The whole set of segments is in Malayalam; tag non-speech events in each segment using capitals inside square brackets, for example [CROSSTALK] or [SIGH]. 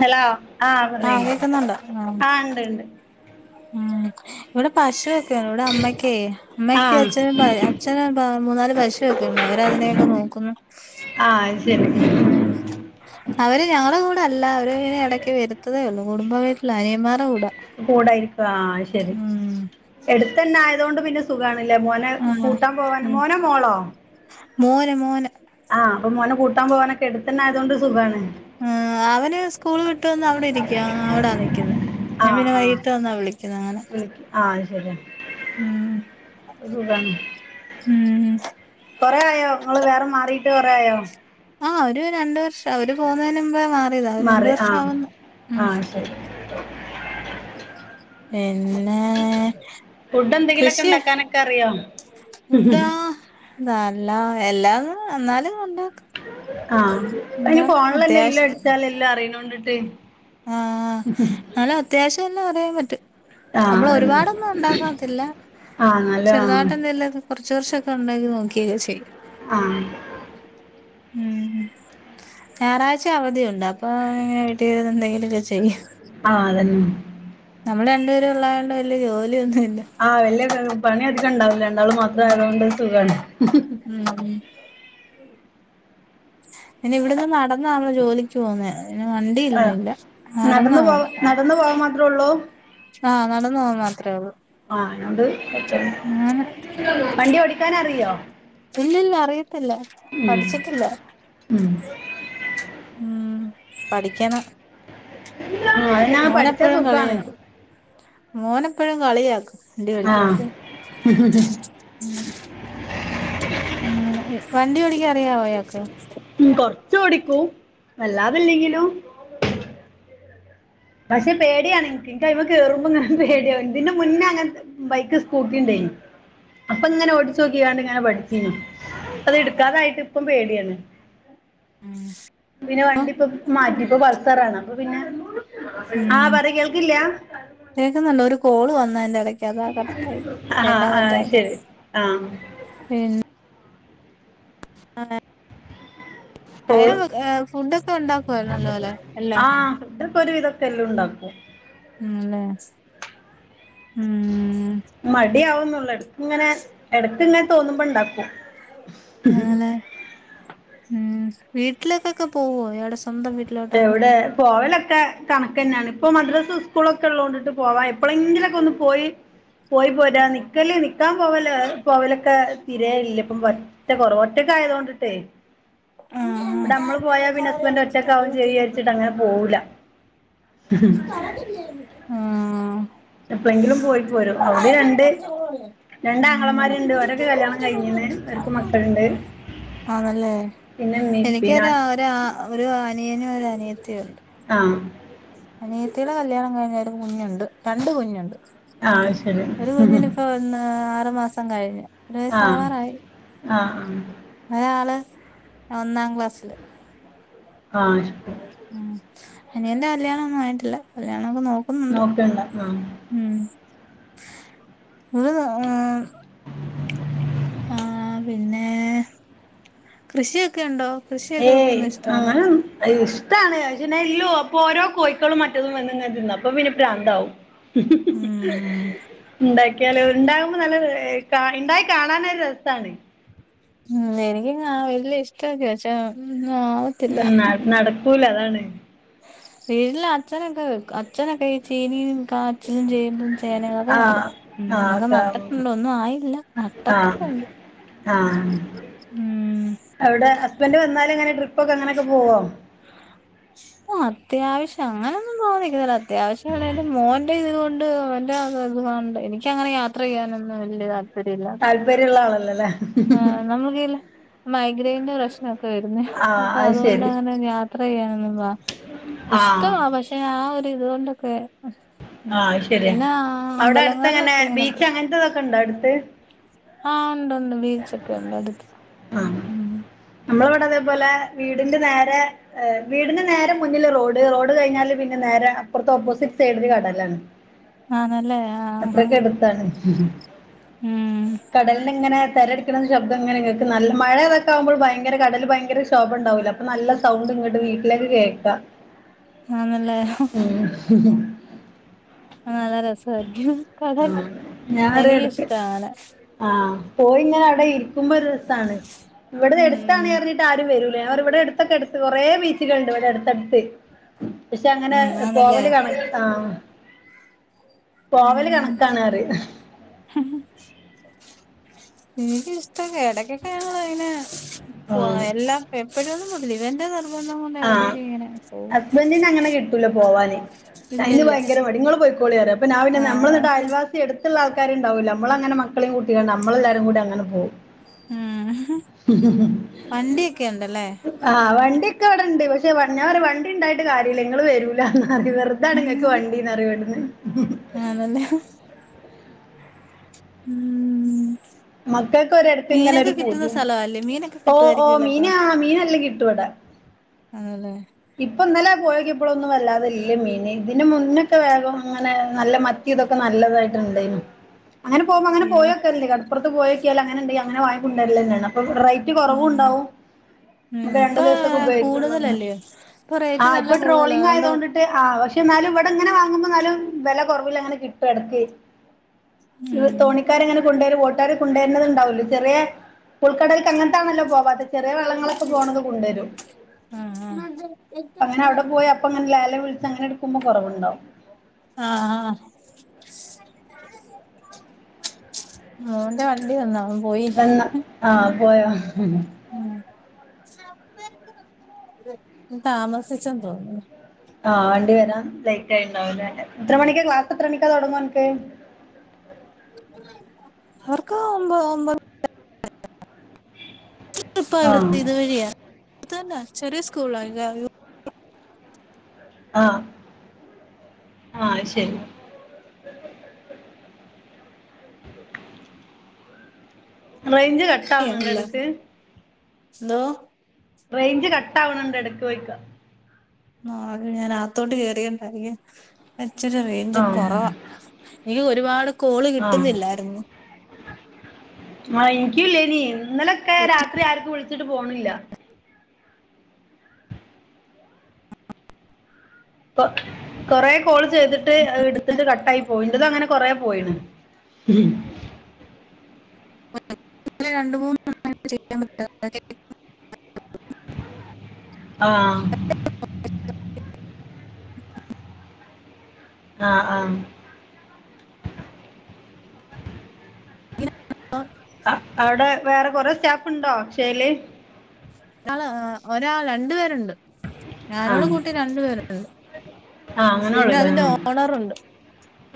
ഹലോ ആഹ് ആപറയ് കേക്കുന്നുണ്ട് ആ ഉണ്ട് ഉണ്ട് ഉ ഇവിടെ പശുക്കെയാണ് ഇവിടെ അമ്മയ്ക്ക അമ്മക്ക് ആഹ് അച്ഛനും പ ചെല ബ മൂന്നാല് പശുവൊക്കെ ഉണ്ട് അവരതിനെയൊക്കെ നോക്കുന്നു ആഹ് അയിശരി ഉം അവര് ഞങ്ങടെ കൂടെ അല്ല അവര് ഇങ്ങനെ ഇടയ്ക്ക് വരുത്തതേ ഉള്ളൂ കുടുംബ വീട്ടില അനിയന്മാരുടെ കൂടാ കൂടായിരിക്കും ആ ശരി ഉം എടുത്തന്നാ ആയതൊണ്ട് പിന്നെ സുഖാണല്ലേ മോനെ ആഹ് കൂട്ടാൻ പോവാൻ ഉം മോനോ മോളോ മോന് മോന് ആഹ് അപ്പം മോന കൂട്ടാൻ പോവാനൊക്കെ എടുത്തന്ന ആയതൊണ്ട് സുഖാണ് ആവന് സ്കൂള് വിട്ടു വന്ന് അവിടെ ഇരിക്കയാ അവിടാ നിക്കുന്നേ ഞാൻ ആഹ് പിന്നെ ആഹ് വൈകിട്ട് വന്നാ വിളിക്കുന്നേ അങ്ങനെ വിളിക്ക് ആഹ് ശരിയ ഉം [UNINTELLIGIBLE] ഉം കൊറേആയോ ഇങ്ങൾ വേറെ മാറിട്ട് കൊറേആയോ ആ ഒരു രണ്ട് വർഷം അവര് പൊന്നേന്മ്പേ മാറിയതാ അവര് രണ്ട് മാറി വർഷ ആഹ് ആവുന്നു ഉം ആഹ് ശരി [UNINTELLIGIBLE] പിന്നെ ഫുഡ് എന്തെങ്കിലൊക്കെ കൃഷി ഉണ്ടാക്കാനൊക്കെ അറിയോ ഫുഡാ നല്ല എല്ലാം എന്നാലു ഉണ്ടാക്കു ആഹ് അയിന് ഫോണിലെല്ലേ ഇല്ലേ അത്യാവശ്യം അടിച്ചാല് എല്ലാ അറിയണോണ്ടിട്ട് [UNINTELLIGIBLE] അല്ലോ അത്യാവശ്യം എല്ലാം അറിയാൻ പറ്റും ആഹ് അമ്മൾ അതന്നെ ഒരുപാടൊന്നും ഉണ്ടാക്കാത്തില്ല ആഹ് നല്ല ആഹ് ചെറുതായിട്ട എന്തല്ലത് കുറച്ച് വർഷൊക്കെ ഉണ്ടാക്കി നോക്കിയൊക്കെ ചെയ്യും ആഹ് ഉംഉം ഞായറാഴ്ച അവധിയുണ്ട് അപ്പൊ ഇങ്ങനെ വീട്ടീ എന്തെങ്കിലൊക്കെ ചെയ്യു ആഹ് അതന്- നമ്മള് രണ്ടുപേരു ഉള്ളയോണ്ട് വലിയ ജോലിയൊന്നു- ആഹ് വല്യ ക പണി അധിക ഉണ്ടാവില്ല രണ്ടാളും മാത്ര ആയതോണ്ട് സുഖാണ് ഉം ഉം ഇന്നെ ഇവിടെന്ന് നട ന്നാമ്മള് ജോലിക്ക് പോന്നേ ഇന്നെ വണ്ടിയിൽന്നൊ [UNINTELLIGIBLE] ല്ല നടന്നാവുന്നു ടന്ന് പോവാൻ മാത്രള്ളൂ ആഹ് നടന്ന് പോവാ മാത്രേള്ളൂ ആ അയോണ്ട് വണ്ടി [UNINTELLIGIBLE] ഓടിക്കാനറിയോ ഇല്ല ഇല്ല അറിയത്തില്ല പഠിച്ചിട്ടില്ല ഉം ഉം പഠിക്കാണം ആഹ് അത് ഞാൻ പഠിച്ചാ ഓനെപ്പോഴും സുഖാണ് കളിയാക്കും മോനെപ്പോഴും കളിയാക്കും വണ്ടി ക ആഹ് [UNINTELLIGIBLE] ത്തെ ഉം ഉം വണ്ടിയോടിക്കാൻ അറിയാവോ യാക്ക് ഉം കൊറച്ച് ഓടിക്കൂ വല്ലാതല്ലെങ്കിലോ പക്ഷെ പേടിയാണ് ഇന്ക് ഇന്ക് അയിമേ കേറുമ്പോ ഇങ്ങനെ പേടിയ ഇതിന്റെ മുന്നേ അങ്ങനത്തെ ബൈക്ക് സ്കൂട്ടിണ്ടായിനി അപ്പൊ ഇങ്ങനെ ഓടിച്ചു നോക്കിയാണ്ട് ഇങ്ങനെ പഠിച്ചീു അതെടുക്കാതായിട്ട് ഇപ്പം പേടിയാണ് ഉം പിന്നെ വണ്ടിപ്പൊ മാറ്റിപ്പ പൾസറാണ് അപ്പൊ പിന്നെ ആഹ് പറ കേൾക്കില്ല കേക്കുന്നുണ്ട് ഒരു കോള് വന്നാന്റെടെ- ക്കതാ കട്ടായി ആ കേക്കാൻ ആ പറ്റാതെ ശരി ആ പിൻ- അപ്പോൾ [UNINTELLIGIBLE] ഫുഡൊക്കെ ഉണ്ടാക്കുവോ നല്ലപോലെ എല്ലാം ഇതൊക്കെ ഒരുവിതൊക്കെ എല്ലാ ഉണ്ടാക്കും ഉംല്ലേ ഉം മടിയാവുന്നുള്ളൂ എടക് ഇങ്ങനെ എടക്കിങ്ങനെ തോന്നുമ്പോ ഇണ്ടാക്കും ആണല്ലേ ഉം വീട്ടിലൊക്കൊക്കെ പോവോ എടെ എവിടെ പോവലൊക്കെ കണക്ക് തന്നെയാണ് ഇപ്പൊ മദ്രാസ് സ്കൂളൊക്കെ ഉള്ളതൊണ്ടിട്ട് പോവാ എപ്പോഴെങ്കിലുമൊക്കെ ഒന്ന് പോയി പോയി പോരാ നിക്കൽ നിക്കാൻ പോവല പോവലൊക്കെ തിര ഇല്ല ഇപ്പം ഒറ്റ കൊറവോറ്റൊക്കെ ആയതുകൊണ്ടിട്ടേ ഇവിടെ നമ്മള് ആണല്ലേ പോയാ ഹസ്ബന്റ് ഒറ്റക്ക ചെയചാരിച്ചിട്ട് അങ്ങനെ പോയില മ് [INAUDIBLE] എപ്പളെങ്കിലും പോയി പോരും അവിടെ രണ്ട് രണ്ട് ഉം ആങ്ങളമാരുണ്ട് ഓരൊക്കെ കല്യാണം കഴിഞ്ഞ്ണ് ഓര്ക്ക് മക്കളുണ്ട് ആണല്ലേ പിന്നെ ഇമ്മീം ഇപ്പീം എനിക്കൊരു ഞാൻ ഒ ഒരു അനിയനും ഒരു അനിയത്തിയും ഉണ്ട് ആഹ അനിയത്തിടെ കല്യാണം കഴിഞ്ഞൊരു കുഞ്ഞുണ്ട് രണ്ട് കുഞ്ഞുണ്ട് ആഹ് ശരി ഒരു കുഞ്ഞിനിപ്പോ ഒന്ന് ആറുമാസം കഴിഞ്ഞ് ആഹ് ആഹ് ആ ഒരാള് ഒന്നാക്ലാസ്സില് ആഹ് ഉം അനിയൻ്റെ കല്യാണൊന്നും ആയിട്ടില്ല കല്യാണോക്കെ നോക്കുന്നുണ്ട് നോക്കണ്ട ആഹ് ഉം ഇത് ആഹ് [UNINTELLIGIBLE] ആഹ് പിന്നെ കൃഷിയൊക്കെണ്ടോ? ഏയ് അങ്ങനൊന്നു ഇഷ്ടാണ് ശെന്നെല്ലോ അപ്പൊരോ കോയിക്കളും മറ്റതും വന്നങ്ങനെ തിന്നു അപ്പൊ പിന്നെ പ്രാന്താവും ഉംഹ് ഉം ഇണ്ടാക്കിയാലോ ഇണ്ടാക്കുമ്പോ നല്ല ര കാ ഇണ്ടായി കാണാനൊരു രസാണ് ഉം എനക്ക വല്യഷ്ടക്കെ ശെ ഒന്നാവ ഉം ന്ന നടക്കൂല അതാണ് വീട്ടിൽ അച്ഛനൊക്കെ അച്ഛനൊക്കെ ഈ ചീനീം കാച്ചില് ചേമ്പും ചേനകളൊക്കെ ആഹ് നടും ആഹ് നട്ടിട്ടുണ്ട് ഒന്നും ആയില്ല ആഹ് നട്ടട്ടൊക്കെ ഇണ്ട് ആഹ് ഉം അവിടെ ഹസ്ബന്റ് വന്നാലങ്ങനെ ട്രിപ്പൊക്കെങ്ങനൊക്കെ പോകോ [UNINTELLIGIBLE] ഓ അത്യാവശ്യങ്ങനെയൊന്നും പോന്നിക്കുന്നല്ല അത്യാവശ്യവിടെലും മോൻ്റെ ഇത് കൊണ്ട് [UNINTELLIGIBLE] കൊണ്ട് എനിക്കങ്ങനെ യാത്രചെയ്യാനൊന്നും വലിയ താൽപര്യല്ല താൽപര്യുള്ള ആളല്ലല്ലേ ഹ്മ്മ് നമക്കില്ലേ മൈഗ്രൈന്റെ പ്രശ്നൊക്കെ വെര്ന്നാ ആഹ് അപ്പൊ അത് ശരി അതുകൊണ്ടങ്ങനെ യാത്ര യാത്രയ്യെനൊന്നു വാ ആഹ് ഇഷ്ടവാ പശെ ആ ഒ ഒരു ഇതുകൊണ്ടൊക്കെ ഉം ആഹ് അത് ശരിയാ പിന്നെ അവിടെ അടുത്തെങ്ങനെ അമ്പലങ്ങളലൊക്കെ ഇങ്ങനെ പോ ബീച്ച് അങ്ങനത്തെതൊക്കെ ഉണ്ടോ അടുത്ത് ആഹ് ഉണ്ടണ്ട് ബീച്ചൊക്കെ ഉണ്ട് അടുത്ത് നമ്മളവിടെ അതേപോലെ വീടിന്റെ നേരെ വീടിന്റെ നേരെ മുന്നിലൊരു റോഡ് റോഡ് കയിഞ്ഞാല് പിന്നെ നേരെ അപ്പുറത്തൊപ്പോസിറ്റ് സൈഡില് കടേലാണ് ആണല്ലേ ആഹ് ഹാ തന്നെ ഉം ഹ് കടൽനിങ്ങനെ തെരടിക്കന്ന ശബ്ദങ്ങനെ കേ നല്ല മഴയതൊക്കെ ആവുമ്പോ ഭയങ്കര കടല് ഭയങ്കര ശോഭണ്ടാവൂല അപ്പൊ നല്ല സൗണ്ട് ഇങ്ങട് വീട്ടിലേക്ക് കേക്ക ആന്നല്ലേ ഉം ഹ്‌ഹും നല്ല രസായിരിക്കും കടൽ ഞാൻ ഒരു എടക്ക് എനിക്കിഷ്ടങ്ങനെ ആഹ് പോയിങ്ങന അവിടെ ഇരിക്കുമ്പോരു രസാണ് ഉം ഇവിടഎടുത്താണറിഞ്ഞിട്ട് ആരുവരുല അവർ ഇവിടെ അടുത്തൊക്കെ എടുത്ത് കൊറെ ബീച്ചുകളണ്ട് ഇവിടെ അടുത്തടുത്ത് പശെ അങ്ങനെ ഉം ആന്നല്ലേ പോവല് കണ ആ ഹ് പോവല് ഉം കണക്കാണ്റിയു എനിക്കിഷ്ട എടക്കക്കെ ഞങ്ങളിങ്ങനെ ആഹ് എല്ല എപ്പോഴൊന്നുതില്ല ഇവന്റെ നിർബന്ധകൊണ്ട് എടക്കക്കെങ്ങനെ പോവും ഈനങ്ങനെ കിട്ടൂല പോവാന് അയിന് ഇല്ലില്ല ഭയങ്കരമടി ഇങ്ങള്പോയിയോളിറിയും അപ്പൊ ഞാ പിന്ന ന്നാ ആഹ് നമ്മളന്നിട്ടയൽവാസി എടുത്തുള്ള ആൾക്കാരുണ്ടാവുലെ നമ്മളങ്ങനെ മക്കളെയകൂട്ടിയാണ്ട് നമ്മളെല്ലാരുകൂടിങ്ങനെ പോവും ഉം ഹ്‌ഹ് വണ്ടിയൊക്കെ ഉണ്ടല്ലേ ആഹ് വണ്ടി ഒക്കെ ഇവിടെ ഇണ്ട് പക്ഷെ വ ഞാറിയും വണ്ടായിട്ട് കാര്യല്ല നിങ്ങള് വരൂലാ ന്നറിയും വെറുതാണങ്ങക്ക് വണ്ടി ന്നറിയും ഇവടന്ന് ആ അതന്നെ ഉം മക്കൾക്ക് ഒരിടത്ത് ഇങ്ങനെ മീനൊക്കെ ഒരു കിട്ടുന്ന പൂതിയാണ് സലല്ലേ മീനൊക്കെ ഓഹ് ഓഹ് കിട്ടുയിരിക്കുല്ലോപ്പൊ മീന് ആഹ് മീനല്ലെ കിട്ടുവിടാ ആണല്ലേ ഇപ്പൊ ഇന്നലെ പോയക്ക ഇപ്പളന്നും വല്ലാതെല്ല മീൻ ഇതിന് മുന്നൊക്കെ വേഗം അങ്ങനെ നല്ല മ ത്തി ഇതൊക്കെ നല്ലതായിട്ട്ണ്ടായിനിം [UNINTELLIGIBLE] അങ്ങന പോുമ്പോ അങ്ങെ ഏഹ് പോയക്കല്ല കടപ്പുറ പോയോക്കിയാല അങ്ങനെണ്ടെ അങ്ങനെ വാങ്ങി കൊണ്ടരൽന്നെ ആണ്അപ്പൊ റ റ്റ കുറവ ഉം ഉണ്ടാവും ഉം നമുക്ക് രണ്ടു ഇപ്പൊ ദിവസൊക്കെ ഉപയോഗിക്ക കൂടുതലല്ലയോ ഇപ്പൊ ആ റേറ്റ് നല്ല ഇപ്പ കൂടുതലാ ടോളിംഗങ് അതുകൊണ്ട് ആയതുകൊണ്ട് ആ പക്ഷെ എന്നാലും ഇവിടെ ഇങ്ങനെ വാങ്ങുമ്പോ എന്നാലും വില കുറവില അങ്ങനെ കിട്ടും ഇടക്ക്. ഇ ഉം തോണിക്കാര എങ്ങനെ കൊണ്ടുവരും വോട്ടുകാരെ കൊണ്ടുവരുന്നത് ഉണ്ടാവല്ലോ ചെറിയ ഉൾക്കടലക്ക് അങ്ങനത്താണല്ലോ പോവാതെ ചെറിയ വള്ളങ്ങളൊക്കെ പോണത് കൊണ്ടുവരും. ആഹ ആഹ. അങ്ങനെ അവിടെ പോയി അപ്പ അങ്ങനെ ലാലെ വിളിച്ച് അങ്ങനെടുക്കുമ്പോ കുറവുണ്ടാവും. ആഹ ആഹ. മോന്റെ വണ്ടി വന്നാ ഒന് പോയി. വന്ന് ആഹ് പോയോ ഉ താമസിച്ചന്ന്തോന്നുന്നു ആഹ് വണ്ടി വരാം ലേറ്റ് ആയിണ്ടാവ എത്ര മണിക്കാ ക്ലാസ് എത്ര മണിക്കാ തെടങ്ങാ ഓൻക്ക് അവർക്ക ഒമ്പ ഒമ്പത് ട്രിപ്പ ആഹ് ഇവിടുത്തെ ഇത് വഴിയ അടുത്ത് തന്നെ ചെറിയ സ്കൂളാ ആഹ ആഹ ശരി. റേഞ്ച് കട്ട എന്തോ? റേഞ്ച് കട്ട് ആവണണ്ട് ഇടക്ക് ചോയിയ്ക്ക ആ ഞാൻ അകത്തോട്ട് കേയറിയണ്ടായി അവിടെ ഇച്ചരി റൈഞ്ച് ആഹ് കുറവാ ആയോ ഒരുപാട് കോള് കിട്ടുന്നില്ലായിരുന്നു. ആഹ എനിക്കുലേനി ഇന്നലൊക്കെ രാത്രി ആർക്കും വിളിച്ചിട്ട് പോണില്ല. കൊറ കോൾ ചെയ്തിട്ട് എടുത്തിട്ട് കട്ട ആയി പോയി ഇന്റേതും അങ്ങനെ കൊറ പോയിണ് ഉം. ഇന്നലെ രണ്ട് മുന്നണം ചെയ്യാൻ [UNINTELLIGIBLE] ആഹ ആഹ ആഹ [UNINTELLIGIBLE] അവിടെ വേറെ കൊറെ സ്റ്റാഫ് ഉണ്ടോ അക്ഷയയിൽ ഒരാൾ രണ്ടു പേരുണ്ട് ഞാനോടു ആഹ് കൂട്ടി രണ്ടു പേരുണ്ട് ആഹ് അങ്ങനെ പിന്നെ അതിന്റെ ഓണറുണ്ട്.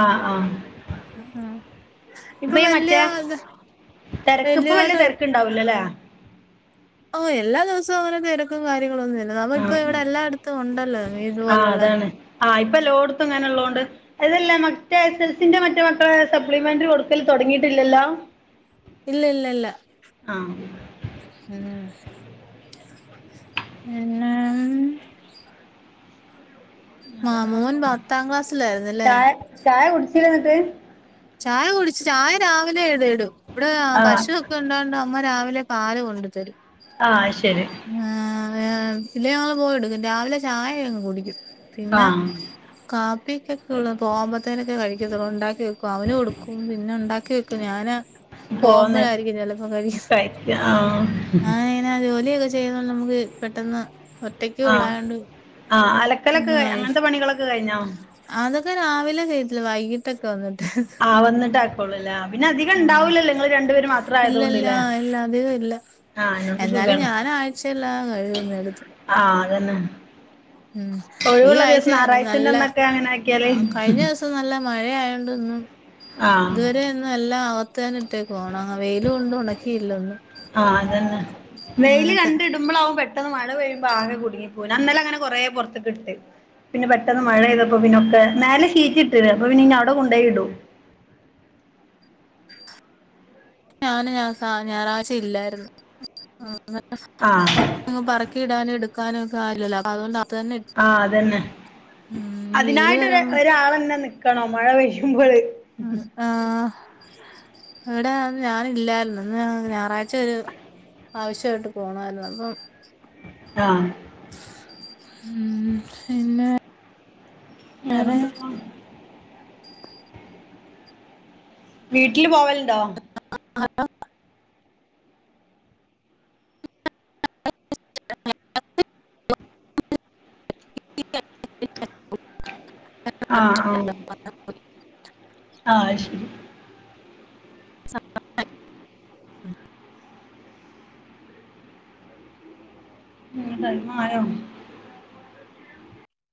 ആ ആഹ ഇപ്പൊ ഇപ്പ വല്യ മറ്റേ തെരക്കിപ്പൊ വലിയ വല്യതായിട്ട് തെരക്കു ണ്ടാവില്ലല്ലേ? ഓ എല്ലാ ദിവസവും അങ്ങനെ തിരക്കും കാര്യങ്ങളൊ ഒന്നും ഇല്ല നമ്മളിപ്പോ ആഹ് ഇവിടെ എല്ലായിടത്തും ഉണ്ടല്ലോ ആഹ് ഇതുപോലുള്ള അതാണ് ആഹ് ഇപ്പ എല്ലോട്ടുത്തും ഇങ്ങനെ ഉള്ള തോണ്ട്. അതല്ലേ മറ്റേ എസ്‌എൽസിന്റെ മറ്റേ മക്കളെ സപ്ലിമെന്റ് കൊടുക്കല് തൊടങ്ങിട്ടില്ലല്ലോ? ഇല്ല ഇല്ല ഇല്ല ആഹ ഉം [UNINTELLIGIBLE] മാ മോൻ പത്താം ക്ലാസ്സിലായിന്നല്ലേ? ചായ ചായ കുടിച്ചിലെന്നിട്ട്? ചായ കുടിച്ച് ചായ രാവിലെ എഴതടും ഇവിടെ ആഹ് പശു ണ്ടണ്ട് അമ്മ രാവിലെ പാല് കൊണ്ടു തരും. ആഹ ശരി ആ പില്ലെ ഞങ്ങള്ൾ പോയ എടുക്കും രാവിലെ ചായ കുടിക്കും പിന്നെ ആഹ് കാപ്പിക്കെക്കൊള്ളു പേവത്തോക്ക്ന് കഴ്ക്കത്തെള്ളു ഉണ്ടാക്കി വെക്കും അവന് കൊടുക്കും പിന്നെ ഉണ്ടാക്കി വെ ഞാന പോന്ന് പോമ്പളായിരിക്കില്ല ചെപ്പോ കഴിക്ക ആ ന്നെ ജോലിയെക്കെ ചെയ്യുന്ന നമുക്ക് പെട്ടെന്ന് ആഹ് ഉള്ളായോണ്ട് ആഹ് അലക്കലൊക്കെ ഇരുന്ന് കഴി അങ്ങനത്തെ പണികളൊക്കെ കഴിഞ്ഞോ? അതൊക്കെ രാവിലെ ചെയത്തില്ല വൈകിട്ടൊക്കെ ക്ക വന്നിട്ട് ആ വന്നിട്ട് ആക്കോളൂല്ലേ പിന്നെ അധികം ആ ഉണ്ടാവൂലല്ലോ നിങ്ങള് രണ്ടുപേര് മാത്രം ഇല്ലല്ലാ ആയതുകൊണ്ടല്ലേ ഇല്ല അതികല്ല ആ അതിനോണ്ട് എന്നാലും സുഖാണ് ഞാനാഴ്ചള്ള കഴ്കുന്നടുത്ത് ആഹ് അതന്നെ ഈ ഒഴിവുള്ള ആഴ്ച ദിവസം ഞറാഴ്ചന്റെന്നൊക്കെ അങ്ങനെ ആക്കിയാല് ത്ത് നല്ല മഴയായോണ്ട് ഇന്ന് ആ ഇതുവരെ ഇന്ന് എല്ലാം അവത്തന്നെട്ടേക്കാണ് വെയ്ല് കൊണ്ട് ഉണക്കിയില്ലൊന്ന് ആ അതന്നെ വെയില് കണ്ടിടുമ്പളാവും പെട്ടെ പെട്ടെന്ന് മഴ പെയ്യുമ്പോ ആകെ കുടുങ്ങി പോ ഞാന്നലെ അങ്ങന കൊറേ പെറത്ത്ക്ക്ട്ട് പിന്നെ പെട്ടെന്ന് മഴെയ്തപ്പോ പിന്നൊക്കെ മേലെ ഷീറ്റ്ട്ട്ണ് അപ്പൊ പിന്നെ ഇനി അവടെ കൊണ്ടോയിടും ഞാന് ന ഞാ ഞായറാഴ്ച്ച ഇല്ലായിരുന്നു ആ പറക്കി ഇടാനും എടുക്കാനും ഒക്കാരുലല്ലെ അതുകൊണ്ട് അത് തന്നെ ഇട്ടു ആ അതന്നെ ഉം ഇനി വെയില് അതിനായിട്ട് ഒര് വരുമ്പോ ഒരാളന്നെ നിക്ക് കണം മഴ പെയ്യുമ്പോള് ആഹ് ഇവടെ ഞാന് ഇല്ലായിരുന്നു ഇന്ന് ഞായറാഴ്ച ഒരു ആവശ്യയിട്ട് പോണായിരുന്നു അപ്പം ആ ഉം പിന്നെ വെറെ വേറെ എന്തക്കെ? വീട്ടില് പോവല്ണ്ടോ? ആ ഹലോ? [INAUDIBLE] [INAUDIBLE] ആ ആഹ് പത പോയ് ആഹ് ശരി ഉം ടൈമായേ